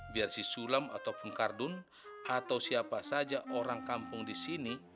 biar si sulem ataupun kardun atau siapa saja orang kampung di sini